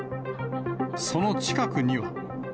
その近くには。